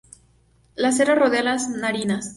La cera rodea las narinas.